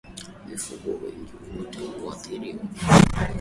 Mifugo wengine wote huathiriwa